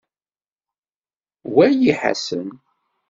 Wali Ḥasan.